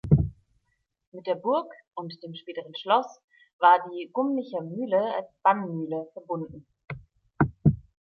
Mit der Burg und dem späteren Schloss war die Gymnicher Mühle als Bannmühle verbunden.